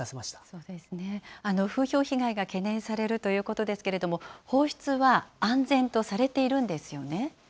そうですね、風評被害が懸念されるということですけれども、放出は安全とされているんですよね。